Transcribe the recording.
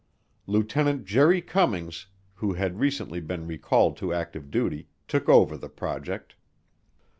Lieutenant Jerry Cummings, who had recently been recalled to active duty, took over the project.